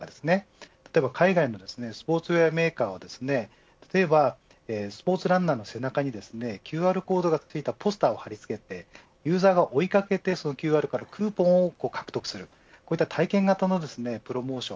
例えば海外のスポーツウエアメーカーはスポーツランナーの背中にＱＲコードがついたポスターをはりつけてユーザーが追い掛けてＱＲコードからクーポンを獲得するこういった体験型のプロモーション